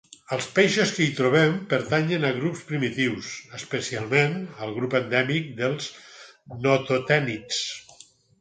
Els peixos que hi trobem pertanyen a grups primitius, especialment al grup endèmic dels nototènids.